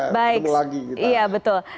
baik iya betul